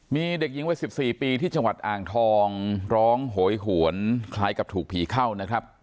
มีเด็กหญิงวัย๑๔ปีที่จังหวัดอ่างทองร้องโหยหวนคล้ายกับถูกผีเข้านะครับ